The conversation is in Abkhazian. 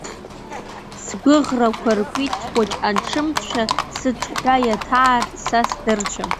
Сгәыӷрақәа ркәиц хәыҷ анҿымцәа, сыҽҳәа иаҭаарц са сдырцәа.